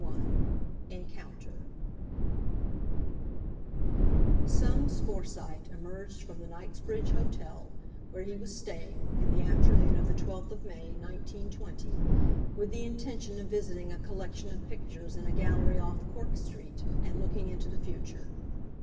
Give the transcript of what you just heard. —ENCOUNTER Soames Forsyte emerged from the Knightsbridge Hotel, where he was staying, in the afternoon of the 12th of May, 1920, with the intention of visiting a collection of pictures in a Gallery off Cork Street, and looking into the Future.